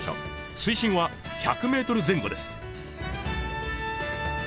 水深は１００ｍ前後です。